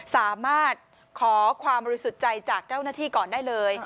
สามารถขอความบริสุทธิ์ใจจากเจ้าหน้าที่ก่อนได้เลย